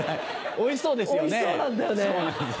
おいしそうなんだよね。